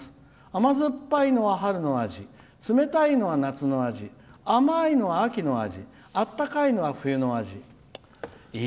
甘酸っぱいのは春の味冷たいのは夏の味甘いのは秋の味あったかいのは冬の味」。